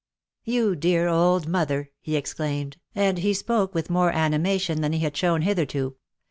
"You dear old mother," he exclaimed, and he spoke with more animation than he had shown hitherto.